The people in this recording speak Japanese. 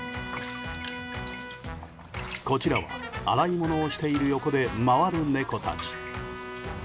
こちらは、洗い物をしている横で回る猫たち。